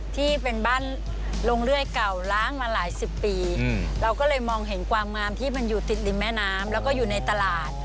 ที่เป็นบ้านลงเลื่อยเก่าล้างมาหลายสิบปีเราก็เลยมองเห็นความงามที่มันอยู่ติดริมแม่น้ำแล้วก็อยู่ในตลาด